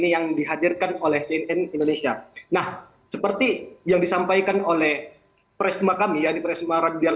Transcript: yang dihadirkan oleh cnn indonesia nah seperti yang disampaikan oleh presma kami yang dipercaya